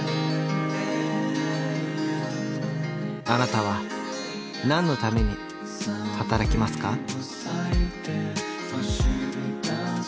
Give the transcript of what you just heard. あなたは何のために働きますか？